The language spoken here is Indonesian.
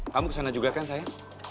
kamu kesana juga kan saya